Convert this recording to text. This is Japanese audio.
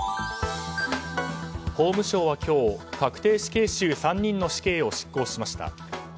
法務省は今日確定死刑囚３人の死刑を執行しました。